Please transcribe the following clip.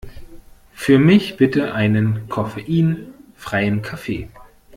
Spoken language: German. Für mich bitte einen koffeinfreien Kaffee!